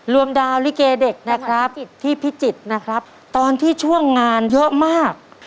ดาวลิเกเด็กนะครับที่พิจิตรนะครับตอนที่ช่วงงานเยอะมาก